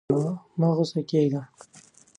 مه غوسه کېږه!